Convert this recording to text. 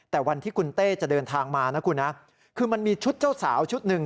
แต่วันที่คุณเต้จะเดินทางมานะคุณนะคือมันมีชุดเจ้าสาวชุดหนึ่ง